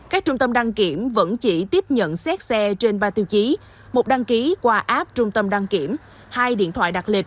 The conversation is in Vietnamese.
các trung tâm đăng kiểm vẫn chỉ tiếp nhận xét xe trên ba tiêu chí một đăng ký qua app trung tâm đăng kiểm hai điện thoại đặt lịch